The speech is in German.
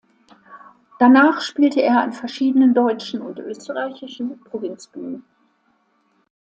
Danach spielte er an verschiedenen deutschen und österreichischen Provinzbühnen.